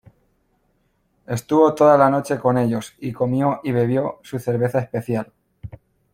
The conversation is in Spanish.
Estuvo toda la noche con ellos y comió y bebió su cerveza especial.